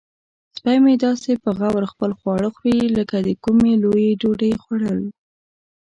سپی مې داسې په غور خپل خواړه خوري لکه د کومې لویې ډوډۍ خوړل.